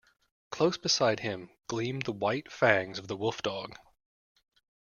Close beside him gleamed the white fangs of the wolf-dog.